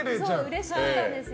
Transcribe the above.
うれしかったんですよ。